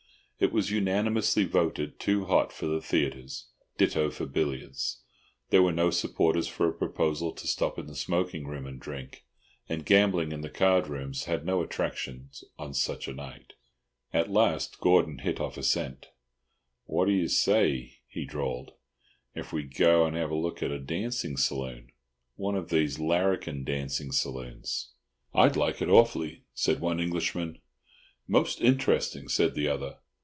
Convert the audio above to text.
It was unanimously voted too hot for the theatres, ditto for billiards. There were no supporters for a proposal to stop in the smoking room and drink, and gambling in the card rooms had no attractions on such a night. At last Gordon hit off a scent. "What do you say," he drawled, "if we go and have a look at a dancing saloon—one of these larrikin dancing saloons?" "I'd like it awfully," said one Englishman. "Most interesting" said the other.